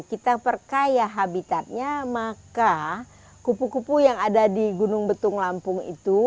kita perkaya habitatnya maka kupu kupu yang ada di gunung betung lampung itu